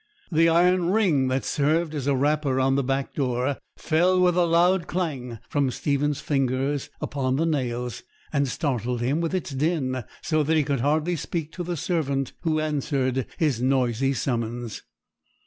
The iron ring that served as a rapper on the back door fell with a loud clang from Stephen's fingers upon the nails, and startled him with its din, so that he could hardly speak to the servant who answered his noisy summons.